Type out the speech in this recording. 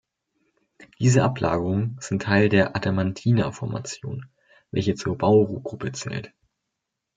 Diese Ablagerungen sind Teil der Adamantina-Formation, welche zur Bauru-Gruppe zählt.